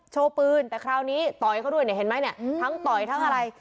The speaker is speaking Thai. โชว์ปืนแต่คราวนี้ต่อยเขาด้วยเนี่ยเห็นไหมเนี่ยทั้งต่อยทั้งอะไร